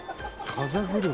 風車。